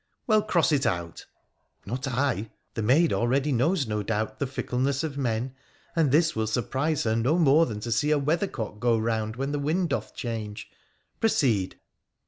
' Well, cross it out !'' Not I ! The maid already knows, no doubt, the fickle ness of men, and this will surprise her no more than to see a weathercock go round when the wind doth change. Pro ceed